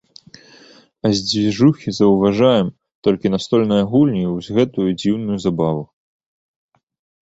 А з дзвіжухі заўважаем, толькі настольныя гульні і вось гэтую дзіўную забаву.